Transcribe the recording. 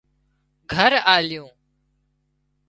گھر آليُون